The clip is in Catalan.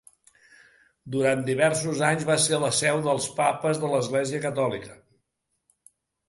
Durant diversos anys va ser la seu dels papes de l'Església Catòlica.